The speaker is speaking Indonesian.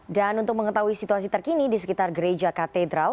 dan untuk mengetahui situasi terkini di sekitar gereja katedral